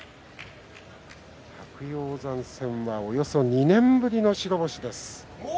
白鷹山戦はおよそ２年ぶりの白星です。